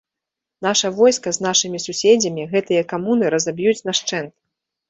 Наша войска з нашымі суседзямі гэтыя камуны разаб'юць нашчэнт!